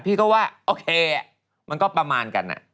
พี่ก็ว่าโอเคมันก็ประมาณกัน